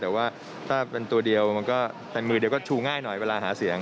แต่ถ้าเป็นตัวเดียวเป็นมือเดียวจะชูง่ายหน่อยเดียวเวลาหาเสียง